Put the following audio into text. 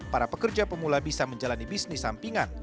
para pekerja pemula bisa menjalani bisnis sampingan